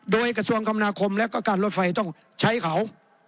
โดยกระทรวงคำนาคมและก็การรถไฟต้องใช้เขา